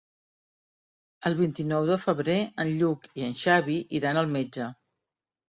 El vint-i-nou de febrer en Lluc i en Xavi iran al metge.